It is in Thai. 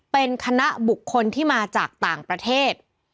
เป็นคณะบุคคลที่มาจากต่างประเทศ